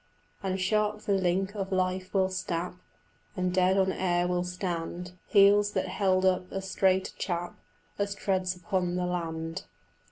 And sharp the link of life will snap, And dead on air will stand Heels that held up as straight a chap As treads upon the land.